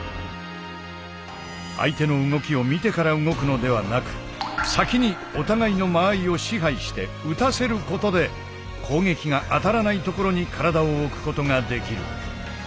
相手の動きを見てから動くのではなく先にお互いの間合いを支配して打たせることで攻撃が当たらないところに体を置くことができる。